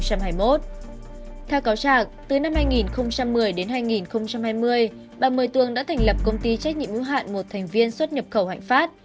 theo cáo trạng từ năm hai nghìn một mươi đến hai nghìn hai mươi bà mười tường đã thành lập công ty trách nhiệm hữu hạn một thành viên xuất nhập khẩu hạnh phát